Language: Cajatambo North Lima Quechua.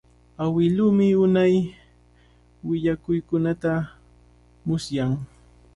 Awiluumi unay willakuykunata musyan.